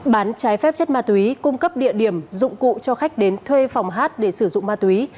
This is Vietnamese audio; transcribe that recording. bán trái phép chất ma túy cung cấp địa điểm dụng cụ cho khách đến thuê phòng hát để sử dụng ma túy